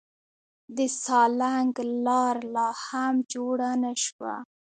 د سالنګ لار لا هم جوړه نه شوه.